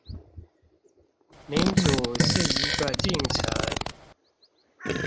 民主是一個進程